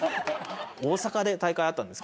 大阪で大会あったんです